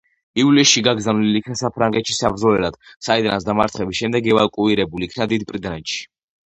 ივლისში გაგზავნილ იქნა საფრანგეთში საბრძოლველად, საიდანაც დამარცხების შემდეგ ევაკუირებულ იქნა დიდ ბრიტანეთში.